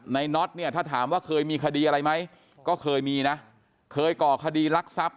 น็อตเนี่ยถ้าถามว่าเคยมีคดีอะไรไหมก็เคยมีนะเคยก่อคดีรักทรัพย์